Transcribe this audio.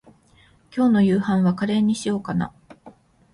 今日の夕飯はカレーにしようかな。